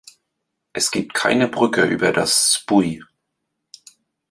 Es gibt keine Brücke über das Spui.